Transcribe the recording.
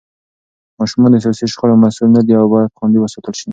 ماشومان د سياسي شخړو مسوول نه دي او بايد خوندي وساتل شي.